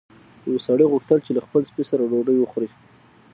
یو سړي غوښتل چې له خپل سپي سره ډوډۍ وخوري.